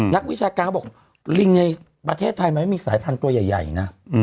นักวิชาการเขาบอกลิงในประเทศไทยมันไม่มีสายพันธุ์ตัวใหญ่นะ